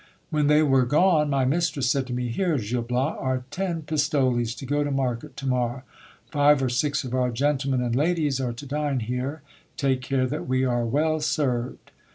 When they were gone, my mistress said to me — Here, Gil Bias, are ten pis A THEA TRICAL LIFE. 107 toles to go to market to morrow. Five or six of our gentlemen and ladies are to dine here, take care that we are well served.